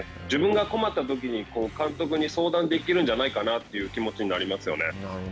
自分が困ったときに監督に相談できるんじゃないかなという気持ちになりますよね。